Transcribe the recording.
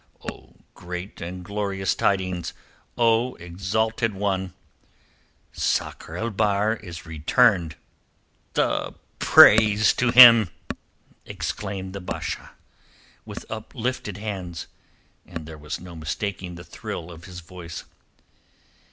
"Of great and glorious tidings, O exalted one! Sakr el Bahr is returned." "The praise to Him!" exclaimed the Basha, with uplifted hands; and there was no mistaking the thrill of his voice.